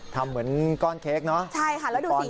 ทำเหมือนก้อนเค้กเนอะใช่ค่ะแล้วดูสิ